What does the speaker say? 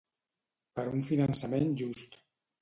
Per un finançament just.